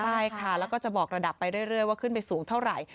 ใช่ค่ะแล้วก็จะบอกระดับไปเรื่อยว่าขึ้นไปสูงเท่าไหร่